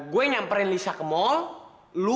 gue nyamperin lisa ke mall lo